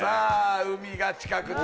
海が近くて。